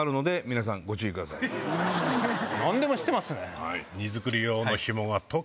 何でも知ってますね。